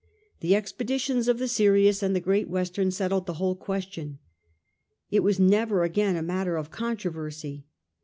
The expeditions of the Sirius and the Great Western settled the whole question. It was never again a matter of controversy.